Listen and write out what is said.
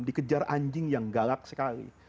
dikejar anjing yang galak sekali